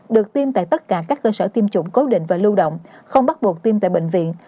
được tiêm tại tất cả các cơ sở tiêm chủng cố định và lưu động không bắt buộc tiêm tại bệnh viện